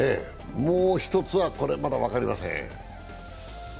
もう１つは、降格ラインはまだ分かりません。